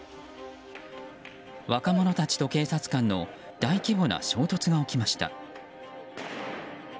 若者たちと警察官の大規模な衝突が起きました。